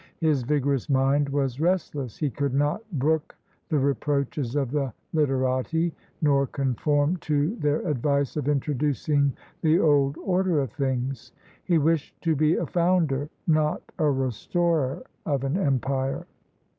His vigorous mind was restless; he could not brook the reproaches of the literati, nor conform to their advice of introducing the old order of things — he wished to be a founder, not a restorer of an empire.